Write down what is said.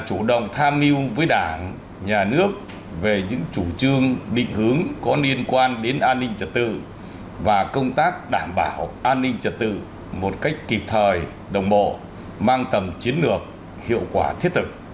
chủ động tham mưu với đảng nhà nước về những chủ trương định hướng có liên quan đến an ninh trật tự và công tác đảm bảo an ninh trật tự một cách kịp thời đồng bộ mang tầm chiến lược hiệu quả thiết thực